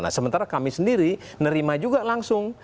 nah sementara kami sendiri nerima juga langsung